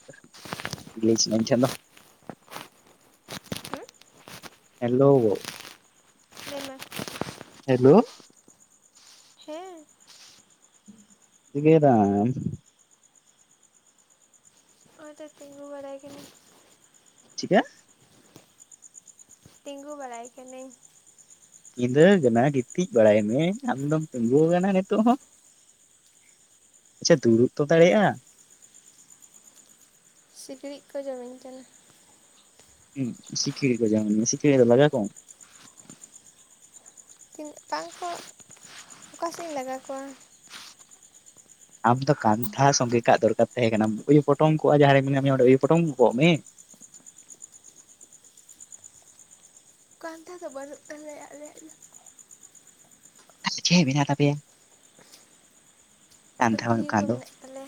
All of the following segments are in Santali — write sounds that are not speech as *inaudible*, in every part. *unintelligible* ᱦᱮᱞᱳ ᱞᱟᱹᱭ ᱢᱮ ᱦᱮᱞᱳ ᱦᱮᱸ ᱪᱤᱠᱟᱹᱭ ᱫᱟᱢ? ᱦᱚᱜᱼᱚᱭ ᱛᱚ ᱛᱤᱸᱜᱩ ᱵᱟᱲᱟᱭ ᱠᱟᱱᱤᱧ᱾ ᱪᱤᱠᱟ? ᱛᱤᱸᱜᱩ ᱵᱟᱲᱟᱭ ᱠᱟᱹᱱᱟᱹᱧ᱾ ᱧᱤᱫᱟᱹ ᱠᱟᱱᱟ ᱜᱤᱛᱤᱡ ᱵᱟᱲᱟᱭ ᱢᱮ ᱟᱢ ᱫᱚᱢ ᱛᱤᱸᱜᱳ ᱠᱟᱱᱟ ᱱᱤᱛᱳᱜ ᱦᱚᱸ᱾ ᱟᱪᱪᱷᱟ ᱫᱩᱲᱩᱵ ᱛᱚ ᱦᱩᱸ ᱫᱟᱲᱮᱭᱟᱜᱼᱟ᱾ ᱥᱤᱠᱬᱤᱡ ᱠᱚ ᱡᱚᱢᱤᱧ ᱠᱟᱱᱟ᱾ ᱦᱮᱸ ᱥᱤᱠᱲᱤᱡ ᱠᱚ ᱡᱚᱢᱮᱜ ᱢᱤᱭᱟ ᱥᱤᱠᱲᱤᱡ ᱫᱚ ᱞᱟᱜᱟ ᱠᱚᱢ᱾ *inaudible* ᱚᱠᱟ ᱥᱮᱡ ᱤᱧ ᱞᱟᱜᱟ ᱠᱚᱣᱟ? ᱟᱢ ᱫᱚ ᱠᱟᱱᱛᱷᱟ ᱥᱚᱸᱜᱮ ᱠᱟᱜ ᱫᱚᱨᱠᱟᱨ ᱛᱟᱦᱮᱸ ᱠᱟᱱᱟ, ᱩᱭᱩ ᱯᱚᱴᱚᱢ ᱠᱚᱜᱼᱟ ᱡᱟᱦᱟᱸᱨᱮ ᱢᱮᱱᱟ ᱢᱮᱭᱟ ᱚᱸᱰᱮ ᱩᱭᱩ ᱯᱚᱴᱚᱢ ᱠᱚᱜ ᱢᱮ᱾ ᱠᱟᱱᱛᱷᱟ ᱫᱚ ᱵᱟᱹᱱᱩᱜ ᱛᱟᱞᱮᱭᱟ ᱟᱞᱮᱭᱟᱜ ᱫᱚ᱾ *inaudible* ᱢᱮᱱᱟᱜ ᱛᱟᱯᱮᱭᱟ᱾ ᱠᱟᱱᱛᱷᱟ ᱵᱟᱱᱩᱜ ᱯᱟᱹᱴᱭᱟᱹ ᱠᱚ ᱠᱷᱟᱱ ᱫᱚ᱾ ᱢᱮᱱᱟᱜ ᱛᱟᱞᱮᱭᱟ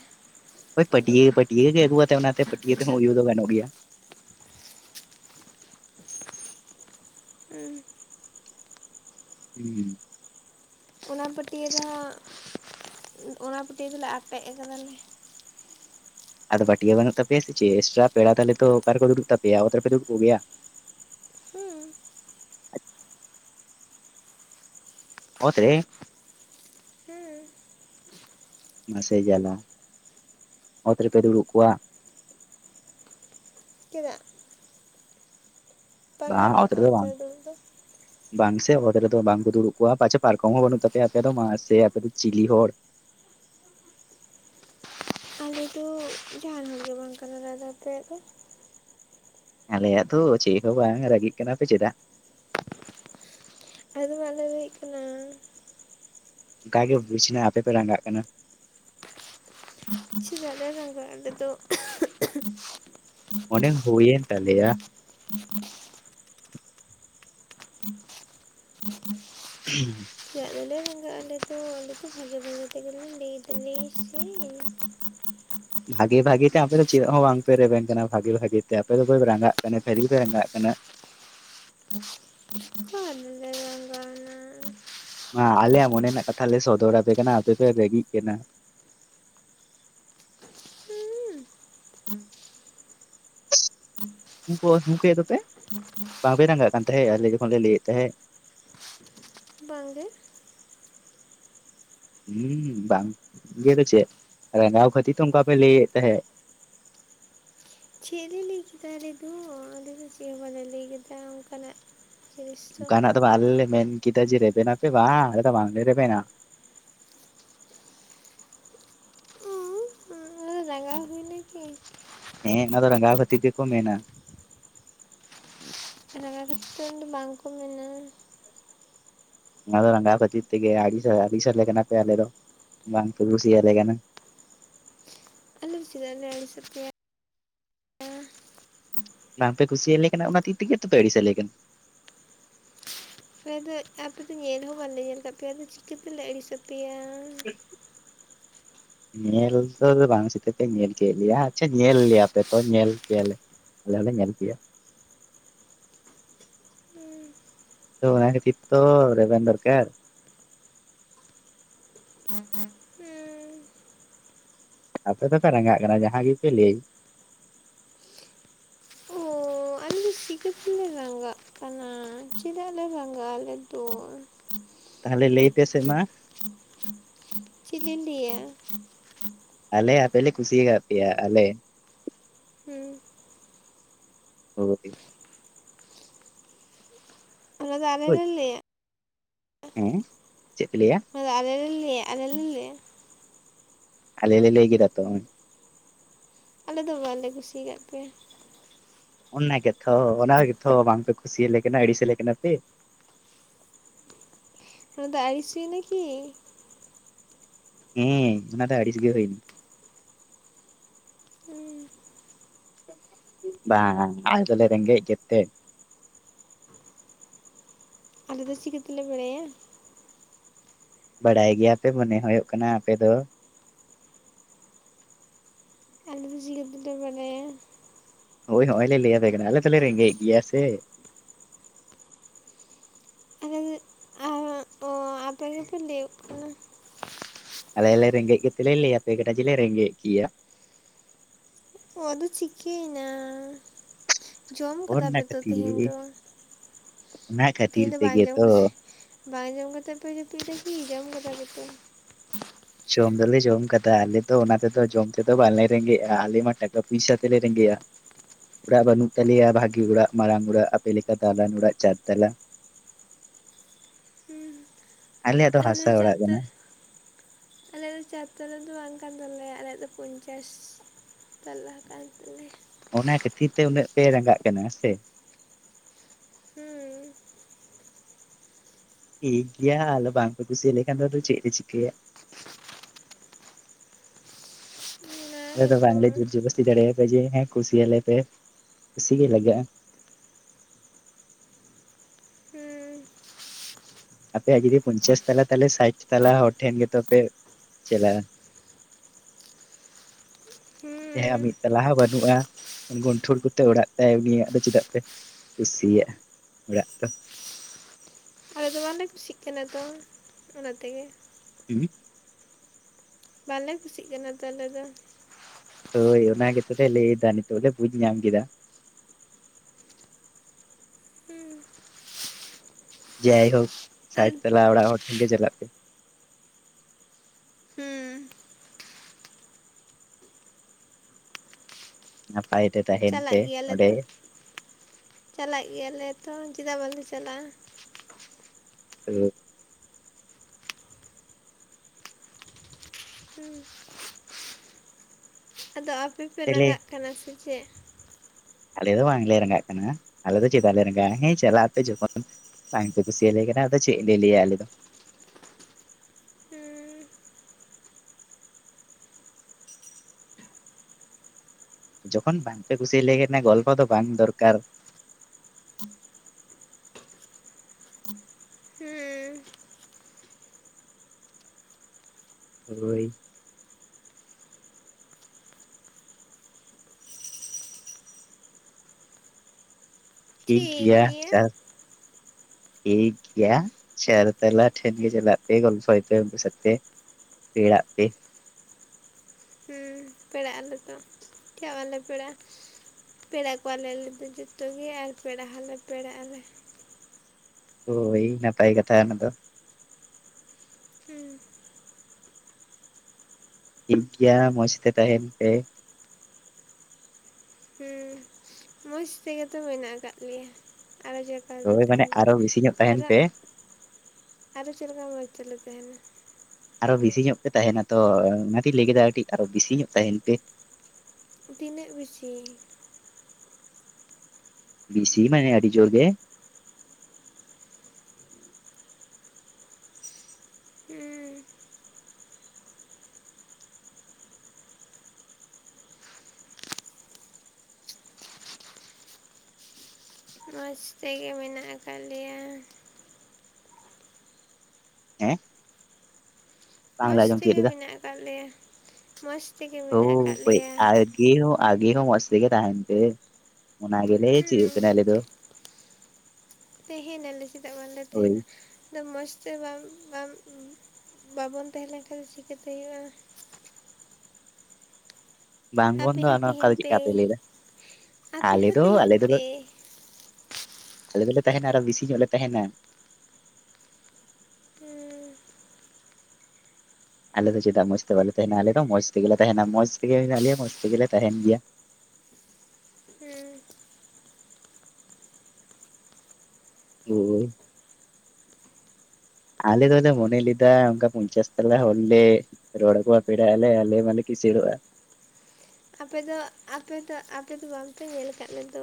ᱯᱟᱴᱭᱟᱹ ᱯᱟᱴᱭᱟᱹ ᱜᱮ ᱟᱜᱩ ᱠᱟᱛᱮᱜ ᱚᱱᱟ ᱛᱮ ᱤᱭᱟᱹ ᱛᱮᱦᱚᱸ ᱩᱭᱩ ᱫᱚ ᱜᱟᱱᱚᱜ ᱜᱮᱭᱟ᱾ ᱦᱮᱸ ᱦᱩᱸ ᱚᱱᱟ ᱯᱟᱹᱴᱭᱟᱹ ᱫᱚ, ᱚᱱᱟ ᱯᱟᱹᱴᱭᱟᱹ ᱫᱚᱞᱮ ᱟᱴᱮᱫ ᱟᱠᱟᱫᱟᱞᱮ᱾ ᱟᱫᱚ ᱯᱟᱹᱴᱭᱟᱹ ᱵᱟᱹᱱᱩᱜ ᱛᱟᱯᱮᱭᱟ ᱥᱮ ᱪᱮᱫ ᱮᱠᱥᱴᱨᱟ ᱯᱮᱲᱟ ᱛᱟᱦᱞᱮ ᱚᱟᱨᱮ ᱫᱩᱲᱩᱵ ᱛᱟᱯᱮᱭᱟ ᱚᱛ ᱨᱮᱯᱮ ᱫᱩᱲᱩᱵ ᱠᱚ ᱜᱮᱭᱟ? ᱦᱩᱸ ᱚᱛ ᱨᱮ ᱦᱩᱸ ᱢᱟᱥᱮ ᱡᱟᱞᱟ, ᱚᱛ ᱨᱮᱯᱮ ᱫᱩᱲᱩᱵ ᱠᱚᱣᱟ᱾ ᱪᱮᱫᱟᱜ? ᱵᱟᱝ ᱚᱛ ᱜᱟᱱᱚᱜᱼᱟ ᱨᱮᱫᱚ ᱨᱮ ᱵᱟᱝ ᱫᱩᱲᱩᱵ ᱫᱚ ᱵᱟᱝ ᱥᱮ ᱚᱛ ᱨᱮᱫᱚ ᱵᱟᱝᱠᱩ ᱫᱩᱲᱩᱵ ᱠᱚᱣᱟ ᱯᱟᱪᱮᱫ ᱯᱟᱨᱠᱚᱢ ᱦᱚᱸ ᱵᱟᱹᱱᱩᱜ ᱛᱟᱯᱮᱭᱟ ᱟᱯᱮ ᱫᱚ ᱢᱟ ᱥᱮ ᱟᱯᱮ ᱫᱚ ᱪᱤᱞᱤ ᱦᱚᱲ᱾ ᱟᱞᱮ ᱫᱚ ᱡᱟᱦᱟᱱ ᱦᱚᱲ ᱜᱮ ᱵᱟᱝ ᱠᱟᱱᱟᱞᱮ ᱟᱫᱚ ᱟᱯᱮᱭᱟᱜ ᱫᱚ᱾ ᱟᱞᱮᱭᱟᱜ ᱫᱚ ᱪᱮᱫ ᱦᱚᱸ ᱵᱟᱝ ᱨᱟᱹᱜᱤᱜ ᱠᱟᱱᱟ ᱯᱮ ᱪᱮᱫᱟᱜ? ᱟᱞᱮ ᱫᱚ ᱵᱟᱞᱮ ᱨᱟᱜᱤᱜ ᱠᱟᱱᱟ ᱾ ᱚᱱᱠᱟ ᱜᱮ ᱵᱩᱡᱽ ᱮᱱᱟ ᱟᱯᱮ ᱯᱮ ᱨᱟᱸᱜᱟᱜ ᱠᱟᱱᱟ᱾ ᱪᱮᱫᱟᱜ ᱞᱮ ᱨᱟᱸᱜᱟᱜᱼᱟ ᱟᱞᱮ ᱫᱚ ᱾ ᱢᱚᱱᱮ ᱦᱩᱭ ᱮᱱ ᱛᱟᱞᱮᱭᱟ᱾ *inaudible* ᱪᱮᱫᱟᱜ ᱫᱚᱞᱮ ᱨᱚᱸᱜᱟᱜᱼᱟ ᱟᱞᱮ ᱫᱚ ᱟᱞᱮ ᱫᱚ ᱵᱷᱟᱜᱮ ᱵᱷᱟᱜᱮ ᱛᱮᱜᱮᱞᱮ ᱞᱟᱹᱭ ᱫᱟᱞᱮ ᱥᱮ᱾ ᱵᱷᱟᱜᱮ ᱵᱷᱟᱜᱤ ᱛᱮ ᱟᱯᱮ ᱫᱚ ᱪᱮᱫ ᱦᱚᱸ ᱵᱟᱝ ᱯᱮ ᱨᱮᱵᱮᱱ ᱠᱟᱱᱟ ᱵᱷᱟᱜᱤ ᱵᱷᱟᱜᱤ ᱛᱮ ᱟᱯᱮ ᱫᱚᱯᱮ ᱨᱟᱸᱜᱟᱜ ᱠᱟᱱᱟ ᱠᱷᱟᱞᱤ ᱯᱮ ᱨᱟᱸᱜᱟᱜ ᱠᱟᱱᱟ᱾ ᱵᱟᱞᱮ ᱨᱟᱸᱜᱟᱣ ᱮᱱᱟ᱾ ᱢᱟ ᱟᱞᱮᱭᱟᱜ ᱢᱚᱱᱮ ᱨᱮᱱᱟᱜ ᱠᱟᱛᱷᱟ ᱞᱮ ᱥᱚᱫᱚᱨᱟᱯᱮ ᱠᱟᱱᱟ, ᱟᱯᱮᱯᱮ ᱨᱟᱜᱤᱜ ᱠᱟᱱᱟ᱾ ᱩᱱᱠᱩ ᱦᱩᱸᱠᱮᱫ ᱫᱚᱯᱮ ᱵᱟᱝᱯᱮ ᱨᱟᱸᱜᱟᱜ ᱠᱟᱱ ᱛᱟᱦᱮᱸᱫ ᱟᱞᱮ ᱡᱚᱠᱷᱚᱱ ᱞᱮ ᱞᱟᱹᱭᱮᱫ ᱛᱟᱦᱮᱸᱫ᱾ ᱵᱟᱝ ᱜᱮ᱾ ᱦᱩᱸ ᱵᱟᱝ ᱜᱮ ᱫᱚ ᱪᱮᱫ ᱨᱟᱸᱜᱟᱣ ᱠᱷᱟᱹᱛᱤᱨ ᱛᱚ ᱚᱱᱠᱟ ᱯᱮ ᱞᱟᱹᱭᱮᱫ ᱛᱟᱦᱮᱸᱫ᱾ ᱪᱮᱫ ᱞᱮ ᱞᱟᱹᱭ ᱠᱮᱫᱟ ᱟᱞᱮ ᱫᱚ, ᱟᱞᱮᱫᱚ ᱪᱮᱫ ᱦᱚᱸ ᱵᱟᱞᱮ ᱞᱟᱹᱭ ᱠᱮᱫᱟ ᱚᱱᱠᱟᱱᱟᱜ᱾ ᱚᱱᱠᱟᱱᱟᱜ ᱫᱚ ᱵᱟᱝ ᱞᱮ ᱢᱮᱱ ᱠᱮᱫᱟ ᱡᱮ ᱨᱮᱵᱮᱱᱟᱯᱮ ᱵᱟᱝ ᱟᱞᱮ ᱫᱚ ᱵᱟᱝᱞᱮ ᱨᱮᱵᱮᱱᱟ᱾ ᱦᱩᱸ ᱨᱟᱸᱜᱟᱣ ᱦᱩᱭᱱᱟ ᱠᱤ᱾ ᱦᱮᱸ ᱚᱱᱟ ᱫᱚ ᱨᱟᱸᱜᱟᱣ ᱠᱷᱟᱛᱤᱨ ᱛᱮᱠᱚ ᱢᱮᱱᱟ᱾ ᱨᱟᱜᱟᱣ ᱠᱟᱛᱮᱫ ᱩᱱ ᱫᱚ ᱵᱟᱝ ᱠᱚ ᱢᱮᱱᱟ᱾ ᱚᱱᱟ ᱫᱚ ᱨᱟᱸᱜᱟᱟᱣ ᱠᱷᱟᱹᱛᱤᱨ ᱛᱮᱜᱮ ᱟᱲᱤᱥ ᱟᱲᱤᱥ ᱟᱞᱮ ᱠᱟᱱᱟ ᱯᱮ ᱟᱞᱮ ᱫᱚ ᱵᱟᱝ ᱠᱩᱥᱤᱭᱟᱞᱮ ᱠᱟᱱᱟ᱾ ᱟᱞᱮ ᱪᱮᱫᱟᱜ ᱞᱮ ᱟᱲᱤᱥ ᱟᱯᱮᱭᱟ᱾ ᱵᱟᱝ ᱯᱮ ᱠᱩᱥᱤᱭᱟᱞᱮ ᱠᱟᱱᱟ ᱚᱱᱟ ᱛᱤᱨ ᱛᱮᱜᱮ ᱛᱚᱯᱮ ᱟᱹᱲᱤᱥ ᱟᱟᱞᱮ ᱠᱟᱱᱟ᱾ ᱟᱯᱮ ᱫᱚ ᱟᱯᱮ ᱫᱚ ᱧᱮᱞ ᱦᱚᱸ ᱵᱟᱞᱮ ᱧᱮᱞ ᱠᱫ ᱯᱮᱭᱟ ᱟᱫᱚ ᱪᱤᱠᱟᱹᱛᱮᱞᱮ ᱟᱹᱲᱤᱥ ᱟᱯᱮᱭᱟ᱾ *inaudible* ᱧᱮᱞ ᱫᱚ ᱵᱟᱝ ᱥᱮᱛᱮ ᱯᱮ ᱧᱮᱞ ᱠᱮᱫ ᱞᱮᱭᱟ ᱟᱪᱪᱷᱟ ᱧᱮᱞ ᱞᱮᱭᱟᱯᱮ ᱛᱚ ᱧᱮᱞ ᱠᱮᱭᱟᱞᱮ᱾ ᱟᱞᱮ ᱦᱚᱸ ᱧᱮᱞ ᱯᱮᱭᱟ᱾ ᱦᱮᱸ ᱛᱚ ᱚᱱᱟ ᱠᱷᱟᱹᱛᱤᱨ ᱛᱚ ᱨᱮᱵᱮᱱ ᱫᱚᱨᱠᱟᱨ ᱾ *inaudible* ᱟᱯᱮ ᱫᱚᱯᱮ ᱨᱟᱸᱜᱟᱜ ᱠᱟᱱᱟ ᱡᱟᱦᱟᱸ ᱜᱮᱯᱮ ᱞᱟᱹᱭ ᱾ ᱚ ᱟᱞᱤ *unintelligible* ᱞᱮ ᱨᱟᱸᱜᱟᱜ ᱠᱟᱱᱟ, ᱪᱮᱫᱟᱜ ᱞᱮ ᱨᱟᱸᱜᱟᱜᱼᱟ ᱟᱞᱮ ᱫᱚ! ᱛᱟᱦᱚᱞᱮ ᱞᱟᱹᱭ ᱯᱮ ᱥᱮ ᱢᱟ ᱾ ᱪᱮᱫ ᱫᱚᱧ ᱞᱟᱹᱭᱟ? ᱟᱞᱮ ᱟᱯᱮ ᱞᱮ ᱠᱩᱥᱤᱭ ᱠᱟᱜ ᱯᱮᱭᱟ ᱟᱞᱮ ᱾ ᱦᱮᱸ ᱾ ᱦᱳᱭ ᱾ ᱚᱱᱟ ᱫᱚ ᱟᱞᱮ ᱞᱮ ᱞᱮᱭᱟ! ᱦᱮᱸ, ᱪᱮᱫ ᱯᱮ ᱞᱮᱭᱟ? ᱚᱱᱟ ᱫᱚ ᱟᱞᱮ ᱞᱮ ᱞᱮᱭᱟ ᱟᱞᱮ ᱞᱮ ᱞᱮᱭᱟ? ᱟᱞᱮ ᱞᱮ ᱞᱮᱭ ᱠᱮᱫᱟ ᱛᱚ ᱾ ᱟᱞᱮ ᱫᱚ ᱵᱟᱞᱮ ᱠᱩᱥᱤᱠᱟᱫ ᱯᱮᱭᱟ ᱾ ᱚᱱᱟ ᱜᱮᱛᱷᱚ ᱚᱱᱟ ᱜᱮᱛᱷᱚ ᱵᱟᱝᱯᱮ ᱠᱩᱥᱤᱭᱟᱞᱮ ᱠᱟᱱᱟ ᱟᱹᱲᱤᱥ ᱟᱞᱮ ᱠᱟᱱᱟ ᱯᱮ ᱾ ᱚᱱᱟ ᱫᱚ ᱟᱹᱲᱤᱥ ᱦᱳᱭ ᱱᱟ ᱠᱤ! ᱦᱩᱸ, ᱚᱱᱟ ᱫᱚ ᱟᱹᱲᱤᱥ ᱜᱮ ᱦᱩᱭᱱᱟ ᱾ ᱦᱩᱸ ᱵᱟᱝ ᱟᱞᱮ ᱨᱮᱸᱜᱮᱡ ᱜᱮᱛᱮ! ᱟᱞᱮ ᱫᱚ ᱪᱤᱠᱟᱹᱛᱮᱞᱮ ᱵᱟᱲᱟᱭᱟ? ᱵᱟᱲᱟᱭ ᱜᱮᱭᱟ ᱯᱮ ᱢᱚᱱᱮ ᱦᱩᱭᱩᱜ ᱠᱟᱱᱟ ᱟᱯᱮ ᱫᱚ! ᱟᱞᱮ ᱫᱚ ᱪᱤᱠᱟᱹ ᱛᱮᱞᱮ ᱵᱟᱲᱟᱭᱟ? ᱦᱳᱭ ᱦᱚᱜᱼᱚᱭ ᱞᱮ ᱞᱟᱹᱭᱟᱯᱮ ᱠᱟᱱᱟ ᱟᱞᱮ ᱛᱚᱞᱮ ᱨᱮᱸᱜᱮᱡ ᱜᱮᱭᱟ ᱥᱮ ᱾ ᱟᱨᱟᱨ ᱚ ᱟᱯᱮ ᱜᱮᱯᱮ ᱞᱮᱭᱚᱜ ᱠᱟᱱᱟ ᱾ ᱟᱞᱮ ᱞᱮ ᱨᱮᱸᱜᱮᱡ ᱜᱮᱛᱮ ᱞᱮ ᱞᱮᱭᱟᱯᱮ ᱠᱟᱱᱟ ᱡᱮᱞᱮ ᱨᱮᱸᱜᱮᱡ ᱜᱮᱭᱟ ᱾ ᱟᱫᱚ ᱪᱤᱠᱟᱹᱭᱮᱱᱟ? ᱡᱚᱢ ᱠᱟᱫᱟ ᱚᱱᱟ ᱯᱮ ᱛᱚ ᱠᱷᱟᱹᱛᱤᱨ ᱛᱮᱦᱤᱱ ᱫᱚ? ᱚᱱᱟ ᱠᱷᱟᱹᱛᱤᱨ ᱛᱮᱦᱮᱱ ᱫᱚ ᱵᱟᱝ ᱛᱮᱜᱮ ᱡᱚᱢ ᱛᱚ ᱠᱟ ᱵᱟᱝ ᱡᱚᱢ ᱠᱟᱛᱮ ᱯᱮ ᱡᱟᱯᱤᱫᱟ ᱠᱤ ᱡᱚᱢ ᱠᱟᱫᱟ ᱞᱮ ᱛᱚ ᱾ ᱡᱚᱢ ᱫᱚᱞᱮ ᱡᱚᱢ ᱠᱟᱫᱟ, ᱟᱞᱮ ᱫᱚ ᱚᱱᱟ ᱛᱮᱫᱚ ᱡᱚᱢ ᱛᱮᱫᱚ ᱵᱟᱞᱮ ᱨᱮᱸᱜᱮᱡᱼᱟ ᱾ ᱟᱞᱮ ᱢᱟ ᱴᱟᱠᱟ ᱯᱚᱭᱥᱟ ᱛᱮᱞᱮ ᱨᱮᱸᱜᱮᱡᱼᱟ ᱾ ᱚᱲᱟᱜ ᱵᱟᱹᱱᱩᱜ ᱛᱟᱞᱮᱭᱟ ᱵᱷᱟᱜᱤ ᱚᱲᱟᱜ ᱢᱟᱨᱟᱝ ᱚᱲᱟᱜ ᱟᱯᱮ ᱞᱮᱠᱟ ᱫᱟᱞᱟᱱ ᱚᱲᱟᱜ ᱪᱟᱨ ᱛᱟᱞᱟ ᱾ *unintelligible* ᱦᱩᱸ, ᱟᱞᱮᱭᱟᱜ ᱫᱚ ᱟᱞᱮ ᱦᱟᱥᱟ ᱚᱲᱟᱜ ᱠᱟᱱᱟ ᱪᱟᱨᱛᱮ ᱟᱞᱮᱭᱟᱜ ᱫᱚ ᱪᱟᱨ ᱛᱟᱞᱟ ᱫᱚ ᱵᱟᱝ ᱠᱟᱱ ᱛᱟᱞᱮᱭᱟ ᱟᱞᱮᱭᱟᱜ ᱫᱚ ᱯᱚᱧᱪᱟᱥ ᱛᱟᱞᱟ ᱠᱟᱱ ᱛᱟᱞᱮᱭᱟ ᱾ ᱚᱱᱟ ᱠᱷᱟᱹᱛᱤᱨ ᱛᱮ ᱩᱱᱟᱹᱜ ᱯᱮ ᱨᱟᱸᱜᱟᱜ ᱠᱟᱱᱟ ᱥᱮ? ᱦᱩᱸ ᱾ ᱴᱷᱤᱠ ᱜᱮᱭᱟ ᱟᱫᱚ ᱵᱟᱝ ᱯᱮ ᱠᱩᱥᱤ ᱟᱞᱮ ᱠᱷᱟᱱ ᱫᱚ ᱟᱫᱚ ᱪᱮᱫ ᱞᱮ ᱪᱤᱠᱟᱹᱭᱟ? *inaudible* ᱚᱱᱟ ᱟᱞᱮ ᱫᱚ ᱜᱮᱛᱚ ᱵᱟᱝᱞᱮ ᱡᱳᱨ ᱡᱚᱵᱚᱥᱛᱤ ᱫᱟᱲᱮᱭᱟᱯᱮ ᱡᱮ ᱦᱮᱸ ᱠᱩᱥᱤᱭᱟ ᱞᱮ ᱯᱮ, ᱠᱩᱥᱤ ᱜᱮ ᱞᱟᱜᱟᱜᱼᱟ ᱾ ᱦᱮᱸᱻ ᱟᱯᱮᱭᱟᱜ ᱡᱩᱫᱤ ᱯᱚᱧᱪᱟᱥ ᱛᱟᱞᱟ ᱛᱟᱦᱚᱞᱮ ᱥᱟᱴ ᱛᱟᱞᱟ ᱦᱚᱲ ᱴᱷᱮᱱ ᱜᱮᱛᱚᱯᱮ ᱪᱟᱞᱟᱜᱼᱟ? ᱡᱟᱦᱟᱭᱟᱜ ᱦᱩᱸ ᱢᱤᱫ ᱛᱟᱞᱟ ᱦᱚᱸ ᱵᱟᱹᱱᱩᱜᱼᱟ, ᱜᱩᱱᱴᱷᱩᱲ ᱠᱚᱛᱮ ᱚᱲᱟᱜ ᱛᱟᱭ ᱩᱱᱤᱭᱟᱜ ᱫᱚ ᱪᱮᱫᱟᱜ ᱯᱮ ᱠᱩᱥᱤᱭᱟᱜᱼᱟ ᱚᱲᱟᱜ ᱫᱚ? ᱟᱫᱚ ᱵᱟᱞᱮ ᱠᱩᱥᱤᱜ ᱠᱟᱱᱟ ᱛᱚ ᱚᱱᱟ ᱛᱮᱜᱮ ᱩᱦᱩᱜ᱾ ᱵᱟᱞᱮ ᱠᱩᱥᱤᱜ ᱠᱟᱱᱟ ᱛᱚ ᱟᱞᱮ ᱫᱚ ᱦᱳᱭ ᱚᱱᱟ ᱜᱮᱛᱚ ᱞᱮ ᱞᱟᱹᱭ ᱫᱟ ᱱᱤᱛᱚᱜ ᱞᱮ ᱵᱩᱡᱽ ᱧᱟᱢ ᱠᱮᱫᱟ᱾ ᱦᱩᱸ᱾ ᱡᱟᱭᱦᱳᱠ ᱟᱨ ᱥᱟᱭᱴ ᱛᱟᱞᱟ ᱚᱲᱟᱜ ᱦᱚᱲ ᱴᱷᱮᱱ ᱜᱮ ᱪᱟᱞᱟᱜ ᱯᱮ᱾ ᱦᱩᱸ ᱱᱟᱯᱟᱭ ᱛᱮ ᱛᱟᱦᱮᱱ ᱪᱟᱞᱟᱜ ᱯᱮ ᱜᱮᱭᱟᱞᱮ ᱚᱸᱰᱮ᱾ ᱛᱚ ᱪᱟᱞᱟᱜ ᱜᱮᱭᱟᱞᱮ ᱛᱚ ᱪᱮᱫᱟᱜ ᱵᱟᱞᱮ ᱪᱟᱞᱟᱜᱼᱟ? *inaudible* ᱦᱩᱸ᱾ ᱟᱫᱚ ᱟᱯᱮ ᱯᱮ ᱨᱟᱸᱜᱟᱜ ᱠᱟᱱᱟ ᱥᱮ ᱪᱮᱫ? ᱟᱞᱮ ᱫᱚ ᱵᱟᱝᱞᱮ ᱨᱟᱸᱜᱟᱜ ᱠᱟᱱᱟ ᱟᱞᱮ ᱫᱚ ᱪᱮᱫᱟᱜ ᱞᱮ ᱨᱟᱸᱜᱟᱜᱼᱟ ᱦᱮᱸ ᱪᱟᱞᱟᱜ ᱟᱯᱮ ᱡᱚᱠᱷᱚᱱ ᱵᱟᱝ ᱯᱮ ᱠᱩᱥᱤᱭᱟᱞᱮ ᱠᱟᱱᱟ ᱟᱫᱚ ᱪᱮᱫ ᱞᱮ ᱞᱟᱹᱭᱟ ᱟᱞᱮ ᱫᱚ᱾ ᱦᱩᱸ᱾ ᱡᱚᱠᱷᱚᱱ ᱵᱟᱝ ᱯᱮ ᱠᱩᱥᱤᱭᱟᱞᱮ ᱠᱟᱱᱟ ᱜᱚᱞᱯᱚ ᱫᱚ ᱵᱟᱝ ᱫᱚᱨᱠᱟᱨ᱾ ᱦᱩᱸ᱾ ᱦᱳᱭ᱾ ᱴᱷᱤᱠ ᱜᱮᱭᱟ ᱪᱟ ᱴᱷᱤᱠ ᱜᱮᱭᱟ ᱪᱟᱨᱛᱟᱞᱟ ᱴᱷᱮᱱ ᱜᱮ ᱪᱟᱞᱟᱜ ᱯᱮ ᱜᱚᱞᱚᱭ ᱯᱮ ᱩᱱᱠᱩ ᱥᱟᱛᱮ ᱾ ᱯᱮᱲᱟᱜ ᱯᱮ ᱦᱩᱸ *unintelligible* ᱯᱮᱲᱟᱜ ᱟᱞᱮ ᱛᱚ, ᱪᱮᱫᱟᱜ ᱵᱟᱞᱮ ᱯᱮᱲᱟᱜᱼᱟ? ᱯᱮᱲᱟ ᱠᱚᱣᱟᱞᱮ ᱟᱞᱮ ᱫᱚ ᱡᱚᱛᱚ ᱜᱮ ᱟᱨ ᱯᱮᱲᱟ ᱦᱚᱸᱞᱮ ᱯᱮᱲᱟᱜ ᱟᱞᱮ᱾ ᱦᱳᱭ ᱱᱟᱯᱟᱭ ᱠᱟᱛᱷᱟ ᱚᱱᱟ ᱫᱚ᱾ ᱦᱩᱸ᱾ ᱴᱷᱤᱠ ᱜᱮᱭᱟ ᱢᱚᱡᱽ ᱛᱮ ᱛᱟᱦᱮᱱ ᱯᱮ᱾ ᱦᱩᱸ᱾ ᱢᱚᱡᱽ ᱛᱮᱜᱮ ᱛᱚ ᱢᱮᱱᱟᱜ ᱟᱠᱟᱫ ᱞᱮᱭᱟ ᱟᱨᱚ ᱡᱚ ᱟᱨ ᱦᱳᱭ ᱢᱟᱱᱮ ᱛᱟᱦᱮᱱᱟ ᱟᱨᱚ ᱵᱮᱥᱤ ᱧᱚᱜ ᱛᱟᱦᱮᱱ ᱟᱨᱚ ᱯᱮ ᱟᱨᱚ ᱪᱮᱫ ᱞᱮᱠᱟ ᱢᱚᱡᱽ ᱛᱮᱞᱮ ᱛᱟᱦᱮᱱᱟ? ᱟᱨᱚ ᱵᱮᱥᱤ ᱧᱚᱜ ᱯᱮ ᱛᱟᱦᱮᱱᱟ ᱛᱚ ᱚᱱᱟᱛᱮᱧ ᱞᱟᱹᱭ ᱠᱮᱫᱟ ᱠᱟᱹᱴᱤᱡ ᱟᱨᱚ ᱵᱮᱥᱤ ᱧᱚᱜ ᱛᱟᱦᱮᱱ ᱯᱮ ᱾ ᱛᱤᱱᱟᱹᱜ ᱵᱮᱥᱤ? ᱵᱮᱥᱤ ᱢᱟᱱᱮ ᱟᱹᱰᱤ ᱡᱳᱨ ᱜᱮ ᱦᱮᱸ *unintelligible* ᱛᱮ ᱜᱮ ᱢᱮᱱᱟᱜ ᱟᱠᱟᱫ ᱞᱮᱭᱟ ᱾ ᱦᱮᱸᱜ ᱵᱟᱝᱞᱮ ᱢᱚᱡᱽ ᱟᱸᱡᱚᱢ ᱛᱤᱭᱚᱜ ᱛᱮᱜᱮ ᱞᱮᱫᱟ ᱢᱮᱱᱟᱜ ᱟᱠᱟᱫ ᱞᱮᱭᱟ ᱢᱚᱡᱽ ᱛᱮᱜᱮ *unintelligible* ᱢᱮᱱᱟᱜ ᱟᱠᱟᱫ ᱞᱮᱭᱟ ᱟᱸᱜᱮ ᱦᱚᱸ ᱢᱚᱡᱽ ᱛᱮᱜᱮ ᱛᱟᱦᱮᱱ ᱯᱮ ᱚᱱᱟ ᱜᱮᱞᱮ ᱪᱟᱹᱭᱟᱹᱜ ᱦᱮᱸ ᱠᱟᱱᱟ ᱟᱞᱮ ᱫᱚ *inaudible* ᱛᱟᱦᱮᱱ ᱟᱞᱮ ᱪᱮᱫᱟᱜ ᱵᱟᱝᱞᱮ ᱦᱳᱭ ᱛᱟᱦᱮᱱᱟ᱾ ᱢᱚᱡᱽ ᱛᱮ ᱵᱟᱢ ᱵᱟᱢ ᱵᱟᱵᱚᱱ ᱛᱟᱦᱮᱸ ᱞᱮᱱᱠᱷᱟᱱ ᱫᱚ ᱪᱤᱠᱟᱹᱛᱮ ᱦᱩᱭᱩᱜ-ᱟ ᱾ ᱵᱟᱝ ᱵᱚᱱ ᱟᱯᱮ ᱫᱚ ᱦᱚᱸ ᱚᱱᱠᱟ ᱛᱟᱦᱮᱱ ᱫᱚ ᱪᱮᱫ ᱞᱮᱠᱟ ᱯᱮ ᱞᱟᱹᱭᱫᱟ ᱟᱯᱮ ᱟᱞᱮ ᱦᱚᱸ ᱫᱚ ᱛᱟᱦᱮᱱ ᱟᱞᱮ ᱫᱚᱞᱮ ᱯᱮ ᱟᱞᱮ ᱫᱚᱞᱮ ᱛᱟᱦᱮᱱᱟ ᱟᱨᱚ ᱵᱤᱥᱤ ᱧᱚᱜ ᱞᱮ ᱛᱟᱦᱮᱱᱟ᱾ ᱟᱞᱮ ᱫᱚ ᱪᱮᱫᱟᱜ ᱢᱚᱡᱽ ᱛᱮ ᱵᱟᱞᱮ ᱛᱟᱦᱮᱱᱟ ᱟᱞᱮ ᱫᱚ ᱢᱚᱡᱽ ᱛᱮᱜᱮᱞᱮ ᱛᱟᱦᱮᱱᱟ ᱢᱚᱡᱽ ᱛᱮᱜᱮ ᱢᱮᱱᱟᱜ ᱞᱮᱭᱟ ᱢᱚᱡᱽ ᱛᱮᱜᱮᱞᱮ ᱛᱟᱦᱮᱱ ᱜᱮᱭᱟ᱾ ᱦᱩᱸ᱾ ᱦᱳᱭ᱾ ᱟᱞᱮ ᱫᱚᱞᱮ ᱢᱚᱱᱮ ᱞᱮᱫᱟ ᱚᱱᱠᱟ ᱯᱚᱧᱪᱟᱹᱥ ᱛᱟᱞᱟ ᱦᱚᱲᱞᱮ ᱨᱚᱲ ᱟᱠᱚᱣᱟ ᱯᱮᱲᱟᱜ ᱟᱞᱮ, ᱟᱞᱮ ᱢᱟᱞᱮ ᱠᱤᱥᱟᱹᱲᱚᱜ-ᱟ᱾ ᱟᱯᱮ ᱫᱚ, ᱟᱯᱮ ᱫᱚ, ᱟᱯᱮ ᱫᱚ ᱵᱟᱝᱯᱮ ᱧᱮᱞ ᱟᱠᱟᱫ ᱞᱮᱫᱚ᱾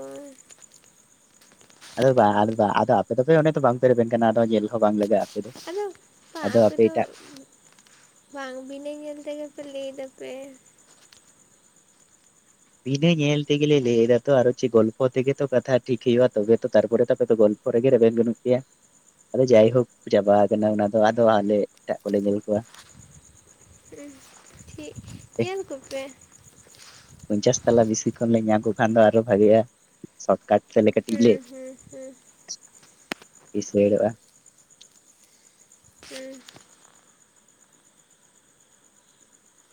ᱟᱫᱚ ᱵᱟᱝ ᱵᱟ ᱟᱫᱚ ᱟᱯᱮ ᱫᱚᱯᱮ ᱚᱱᱮ ᱛᱚ ᱵᱟᱝ ᱯᱮ ᱨᱮᱵᱮᱱ ᱠᱟᱱᱟ ᱟᱫᱚ ᱧᱮᱞ ᱦᱚᱸ ᱵᱟᱝ ᱞᱟᱜᱟᱜ-ᱟ᱾ ᱟᱫᱚ ᱵᱟᱸ ᱟᱯᱮᱫᱚ ᱵᱟᱝ ᱵᱤᱱᱟᱹ ᱧᱮᱞ ᱛᱮᱜᱮ ᱯᱮ ᱞᱟᱹᱭ ᱫᱟᱯᱮ᱾ ᱵᱤᱱᱟᱸ ᱧᱮᱞ ᱛᱮᱜᱮ ᱞᱮ ᱞᱟᱹᱭ ᱮᱫᱟ ᱛᱚ ᱟᱨᱪᱮ ᱜᱚᱞᱯᱦᱚ ᱛᱮᱜᱮ ᱛᱚ ᱠᱟᱛᱷᱟ ᱴᱷᱤᱠ ᱦᱭᱩᱜ-ᱟ ᱛᱚᱵᱮ ᱛᱚ ᱛᱟᱨᱯᱟᱨᱮ ᱛᱟᱯᱮ ᱛᱚ ᱜᱚᱞ ᱚᱚᱨᱮ ᱜᱮ ᱨᱮᱵᱮᱱ ᱵᱟᱹᱱᱩᱜ ᱯᱮᱭᱟ᱾ ᱟᱫᱚ ᱡᱟᱭᱦᱳᱠ ᱪᱟᱵᱟ ᱟᱠᱟᱱᱟ ᱚᱱᱟ ᱫᱚ ᱟᱫᱚ ᱟᱞᱮ ᱮᱴᱟᱜ ᱠᱚᱞᱮ ᱧᱮᱞ ᱠᱚᱣᱟ᱾ ᱦᱮᱸ ᱴᱷᱤᱠ ᱮ ᱧᱮᱞ ᱠᱚᱯᱮ᱾ ᱯᱚᱧᱪᱟᱥ ᱛᱟᱞᱟ ᱵᱮᱥᱤ ᱠᱷᱚᱱ ᱞᱮ ᱧᱟᱢ ᱠᱚ ᱠᱷᱟᱱ ᱫᱚ ᱟᱨᱚ ᱵᱷᱟᱜᱮᱜ-ᱟ᱾ ᱥᱚᱴᱠᱟᱴ ᱛᱮᱞᱮ ᱠᱟᱹᱴᱤᱡᱽ ᱞᱮ ᱦᱩᱸ ᱦᱩᱸ ᱦᱩᱸ ᱠᱤᱥᱟᱹᱲᱚᱜ-ᱟ᱾ ᱦᱮᱸ᱾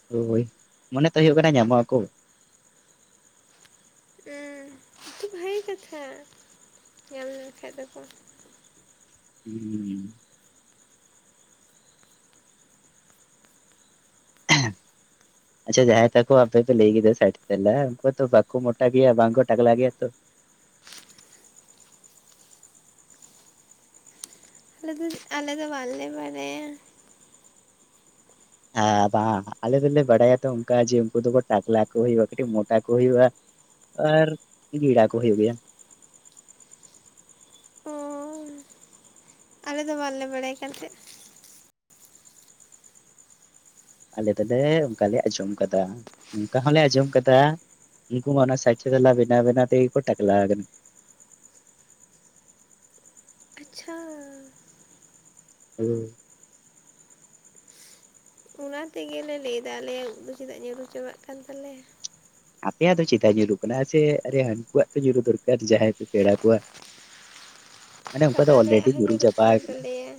ᱦᱳᱭ ᱢᱚᱱᱮ ᱛᱚ ᱦᱩᱭᱩᱜ ᱠᱟᱱᱟ ᱧᱟᱢᱚᱜ ᱟᱠᱚ᱾ ᱦᱮᱸ᱾ ᱵᱦᱟᱞᱤ ᱠᱟᱛᱷᱟ ᱧᱟᱢ ᱞᱮᱱᱠᱷᱟᱡᱽ ᱫᱚᱠᱚ᱾ ᱦᱮᱸᱻ ᱟᱪᱪᱷᱟ ᱡᱟᱦᱟᱸᱭ ᱛᱟᱠᱚ ᱟᱯᱮ ᱯᱮ ᱞᱟᱹᱭ ᱠᱮᱫᱟ ᱥᱟᱭᱤᱰ ᱛᱮᱞᱟ ᱩᱱᱠᱩ ᱛᱚ ᱵᱟᱠᱚ ᱢᱚᱴᱟ ᱜᱮᱭᱟ ᱵᱟᱝᱠᱚ ᱴᱟᱠᱞᱟ ᱜᱮᱭᱟ ᱛᱚ᱾ ᱟᱞᱮ ᱫᱚ, ᱟᱞᱮ ᱫᱚ ᱵᱟᱞᱮ ᱵᱟᱰᱟᱭᱟ᱾ ᱟᱨ ᱵᱟᱝ ᱟᱞᱮ ᱫᱚᱞᱮ ᱵᱟᱲᱟᱭᱟ ᱛᱚ ᱚᱱᱠᱟ ᱡᱮ ᱩᱱᱠᱩ ᱫᱚᱠᱚ ᱴᱟᱠᱞᱟ ᱠᱚ ᱦᱩᱭᱩᱜ-ᱟ ᱠᱟᱹᱴᱤᱡ ᱢᱚᱴᱟ ᱠᱚ ᱦᱩᱭᱩᱜ-ᱟ᱾ ᱟᱨ ᱜᱤᱲᱟ ᱠᱚ ᱦᱩᱭᱩᱜ ᱜᱮᱭᱟ᱾ ᱚ ᱟᱞᱮ ᱫᱚ ᱵᱟᱞᱮ ᱵᱟᱲᱟᱭ ᱠᱟᱱᱛᱟᱦᱮᱫᱽ᱾ ᱟᱞᱮ ᱫᱚᱞᱮ ᱚᱱᱠᱟ ᱞᱮ ᱟᱸᱡᱚᱢ ᱠᱟᱫᱟ ᱚᱱᱠᱟ ᱦᱚᱸᱞᱮ ᱟᱸᱡᱚᱢ ᱠᱟᱫᱟ᱾ ᱩᱱᱠᱩ ᱢᱟ ᱚᱱᱟ ᱥᱟᱭᱤᱪᱞᱟ ᱵᱮᱱᱟᱣ-ᱵᱮᱱᱟᱣ ᱛᱮᱜᱮ ᱠᱚ ᱴᱟᱠᱞᱟ ᱦᱟᱠᱟᱱᱟ᱾ ᱟᱪᱪᱷᱟ᱾ ᱦᱮᱸ᱾ ᱚᱱᱟ ᱛᱮᱜᱮᱞᱮ ᱞᱟᱹᱭᱮᱫᱟ ᱟᱞᱮᱭᱟᱜ ᱩᱵᱽ ᱫᱚ ᱪᱮᱫᱟᱜ ᱧᱩᱨᱩ ᱪᱟᱵᱟᱜ ᱠᱟᱱ ᱛᱟᱞᱮᱭᱟ᱾ ᱟᱯᱮᱭᱟᱜ ᱫᱚ ᱪᱮᱫᱟᱭ ᱧᱩᱨᱩᱜ ᱠᱟᱱᱟ ᱮᱥᱮ ᱦᱟᱹᱱᱠᱩᱣᱟᱜ ᱛᱚ ᱧᱩᱨᱩᱜ ᱫᱚᱨᱠᱟᱨ ᱡᱟᱦᱟᱸᱭ ᱯᱮ ᱯᱮᱲᱟ ᱠᱚᱣᱟ᱾ ᱢᱟᱱᱮ ᱛᱚ ᱚᱱᱠᱩᱣᱟᱟ ᱫᱚ ᱟᱞᱮᱭᱟᱜ ᱚᱞᱨᱮᱰᱤ ᱦᱚᱸ ᱧᱩᱨᱩ ᱧᱩᱨᱩᱜ ᱪᱟᱵᱟ ᱠᱟᱱ ᱠᱟᱱᱟ᱾ ᱛᱟᱞᱮᱭᱟ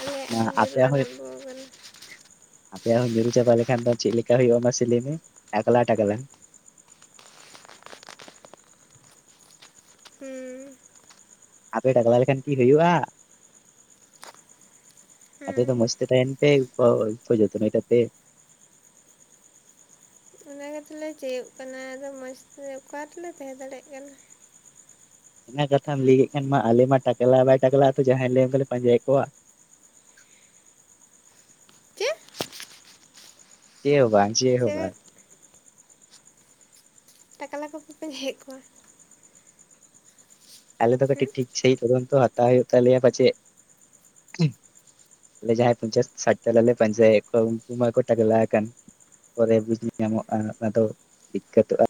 ᱟᱞᱮᱭᱟᱜ ᱦᱚᱸ ᱧᱩᱨᱩᱜ-ᱟ ᱟᱨᱟᱢᱵᱚ ᱠᱟᱱᱟ᱾ ᱟᱯᱮᱭᱟᱜ ᱦᱚᱸ ᱧᱩᱨᱩ ᱪᱟᱵᱟ ᱞᱮᱠᱷᱟᱱ ᱫᱚ ᱪᱮᱫ ᱞᱮᱠᱟ ᱦᱩᱭᱳᱜ-ᱟ ᱢᱟᱥᱮ ᱞᱟᱹᱭ ᱢᱮ᱾ ᱴᱟᱠᱞᱟ-ᱴᱟᱠᱞᱟ᱾ ᱦᱮᱸ᱾ ᱟᱯᱮ ᱴᱟᱠᱞᱟ ᱞᱮᱠᱷᱟᱱ ᱠᱤ ᱦᱩᱭᱩᱜ-ᱟ᱾ ᱟᱯᱮ ᱦᱩᱸ ᱛᱚ ᱢᱚᱡᱛᱮ ᱛᱟᱦᱮᱱ ᱯᱮ ᱩᱵᱽ ᱠᱚ ᱡᱚᱛᱱᱚᱭ ᱛᱟᱯᱮ᱾ ᱢᱚᱡᱽᱞᱮ ᱪᱮᱭᱚᱜ ᱠᱟᱱᱟ ᱟᱫᱚ ᱢᱚᱡᱽ ᱛᱮ ᱚᱠᱟ ᱨᱮᱞᱮ ᱛᱟᱦᱮᱸ ᱫᱟᱲᱮᱭᱟᱜ ᱠᱟᱱᱟ᱾ ᱚᱱᱟ ᱠᱟᱛᱷᱟᱢ ᱞᱟᱹᱭ ᱠᱮᱫ ᱠᱷᱟᱱ ᱢᱟ ᱟᱞᱮ ᱢᱟ ᱴᱟᱠᱞᱟ ᱵᱟᱭ ᱴᱟᱠᱞᱟ ᱛᱚ ᱡᱟᱦᱟᱸᱭ ᱞᱮ ᱚᱱᱠᱟᱞᱮ ᱯᱟᱸᱡᱟᱭᱮᱫᱽ ᱠᱚᱣᱟ᱾ ᱪᱮᱫ ᱪᱮᱜ ᱦᱚᱸ ᱵᱟᱝ, ᱪᱮᱜ ᱥᱮ ᱦᱚᱸ ᱵᱟᱝ᱾ ᱴᱟᱠᱞᱟ ᱠᱚᱯᱮ ᱯᱟᱸᱡᱟᱣᱮᱫᱽ ᱠᱚᱣᱟ᱾ ᱟᱞᱮ ᱫᱚ ᱦᱩᱸ ᱠᱟᱹᱴᱤᱡ ᱴᱷᱤᱠ ᱥᱮᱦᱤᱡ ᱛᱟᱫᱚᱱᱛᱟ ᱦᱟᱛᱟᱣ ᱦᱩᱭᱩᱜ ᱛᱟᱞᱮᱭᱟ ᱯᱟᱪᱦᱮᱫ᱾ ᱟᱞᱮ ᱡᱟᱦᱟᱸᱭ ᱯᱚᱧᱪᱟᱥ ᱥᱟᱭᱴᱟ ᱟᱞᱮ ᱞᱮ ᱯᱟᱸᱡᱟᱭᱮᱫᱽ ᱠᱚᱣᱟ ᱩᱱᱠᱩ ᱢᱟ ᱠᱚ ᱴᱟᱠᱞᱟ ᱟᱠᱟᱱ ᱯᱚᱨᱮ ᱵᱩᱡᱽ ᱧᱟᱢᱚᱜᱼᱟ ᱚᱱᱟ ᱫᱚ ᱫᱤᱠᱟᱹᱛᱚᱜᱼᱟ᱾